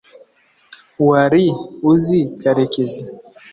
wari uzi karekezi